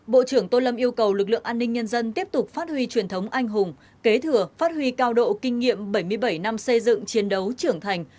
bộ trưởng tô lâm yêu cầu lực lượng an ninh nhân dân tiếp tục phát huy truyền thống anh hùng kế thừa phát huy cao độ kinh nghiệm bảy mươi bảy năm xây dựng chiến đấu trưởng thành